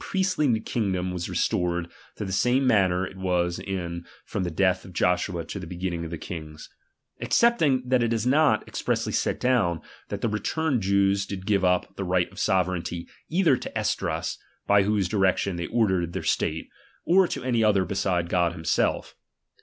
B BRpuviiy, p^iggfiy kingdom was restored to the same manner ^H it Tias in from the death of Joshua to the begin ^H ning of the kings ; excepting that it is not ex ^^1 pressly set down, that the returned Jews did give ^H up the right of sovereignty either to Esdras, by ^H whose direction they ordered their state, or to any ^H other beside God himself.